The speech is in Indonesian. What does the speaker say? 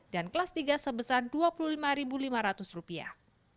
dan kelas tiga sebesar dua puluh lima lima ratus rupiah